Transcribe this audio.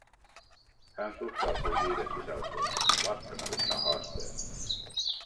Hän suhtautui niiden sisältöön laskennallisena haasteena.